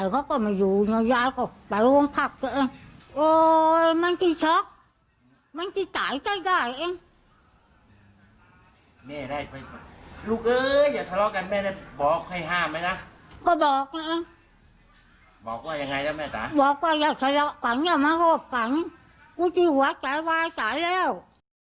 กูที่หัวตายวายตายแล้ว